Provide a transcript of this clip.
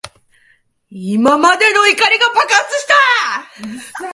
今までの怒りが爆発した。